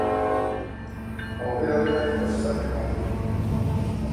Aurrealdean gauzak argi daude.